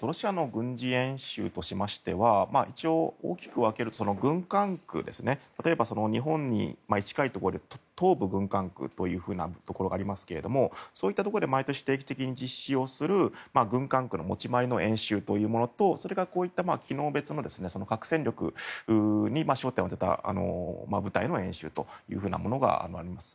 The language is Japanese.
ロシアの軍事演習としましては大きく分けると軍管区、例えば日本に近いところでいうと東部軍管区というところがありますがそういったところで毎年、定期的に実施をする軍管区の持ち前の演習というものとこういった機能別の核戦力に焦点を当てた部隊の演習があります。